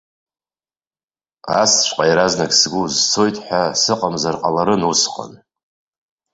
Асҵәҟьа иаразнак сгәы узцоит ҳәа сыҟамзар ҟаларын усҟан.